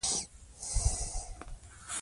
مور یې هم روژه نیول پیل کړل.